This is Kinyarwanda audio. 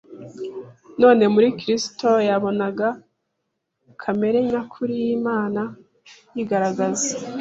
None muri Kristo yabonaga kamere nyakuri y’Imana yigaragaza